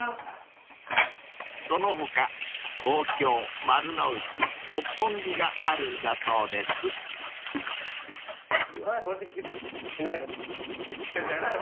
［その他東京丸の内六本木があるんだそうです］ないの？じゃない！